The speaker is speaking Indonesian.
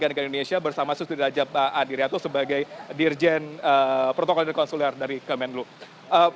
dan negara indonesia bersama sustri rajab andir yang itu sebagai dirjen protokol dan konsuler dari kementerian luar negeri